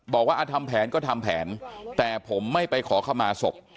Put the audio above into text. บอกว่าทำแผนก็ทำแผนแต่ผมไม่ไปขอขมาศพ